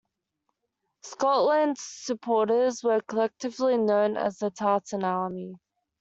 Scotland supporters are collectively known as the Tartan Army.